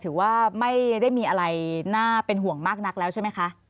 ถือว่าไม่ได้มีอะไรน่าเป็นห่วงมากนักแล้วใช่ไหมคะ